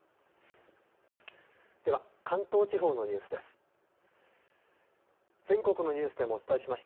では、関東地方のニュースです。